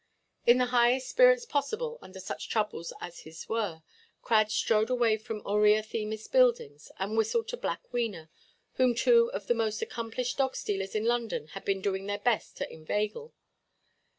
In the highest spirits possible under such troubles as his were, Crad strode away from Aurea Themis Buildings, and whistled to black Wena, whom two of the most accomplished dog–stealers in London had been doing their best to inveigle.